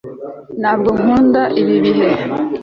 ntabwo nkunda ibi bihe